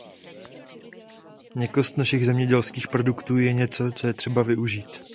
Jakost našich zemědělských produktů je něco, co je třeba využít.